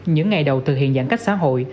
những ngày đầu thực hiện giãn cách xã hội